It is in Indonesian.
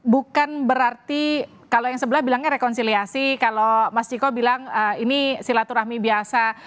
bukan berarti kalau yang sebelah bilangnya rekonsiliasi kalau mas ciko bilang ini silaturahmi biasa